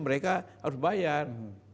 mereka harus bayar